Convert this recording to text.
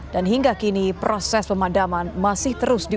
dan hingga kini proses pemadaman masih terus diunggah